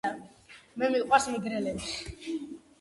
მე მიყვარს მეგრელები